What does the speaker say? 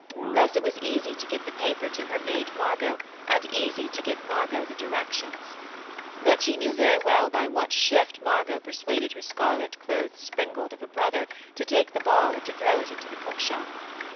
Thus it was easy to give the paper to her maid Margot, and easy to give Margot the directions. But she knew very well by what shift Margot persuaded her scarlet clothed springald of a brother to take the ball and to throw it into the cookshop.